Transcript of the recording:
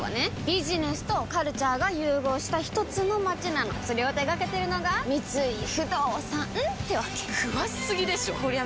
ビジネスとカルチャーが融合したひとつの街なのそれを手掛けてるのが三井不動産ってわけ詳しすぎでしょこりゃ